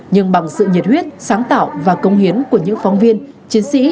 nhưng bằng sự nhiệt huyết sáng tạo và công hiến của những phóng viên chiến sĩ